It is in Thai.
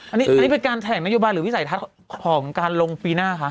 อันนี้เป็นการแถลงนโยบายหรือวิสัยทัศน์ของการลงปีหน้าคะ